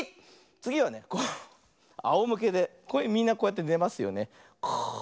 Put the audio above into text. つぎはねあおむけでみんなこうやってねますよね。